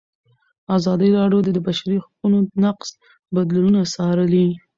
ازادي راډیو د د بشري حقونو نقض بدلونونه څارلي.